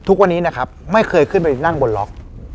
ทุกวันนี้นะครับไม่เคยขึ้นไปนั่งบนล็อก